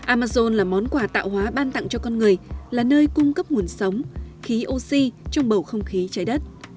amazon là món quà tạo hóa ban tặng cho con người là nơi cung cấp nguồn sống khí oxy trong bầu không khí trái đất